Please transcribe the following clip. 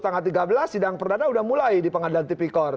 tanggal tiga belas sidang perdana sudah mulai di pengadilan tipikor